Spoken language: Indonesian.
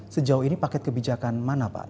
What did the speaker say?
sejauh ini paket kebijakan mana pak